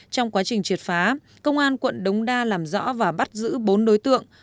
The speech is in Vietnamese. trong quá trình triệt phá công an quận đống đa làm rõ và bắt giữ bốn đối tượng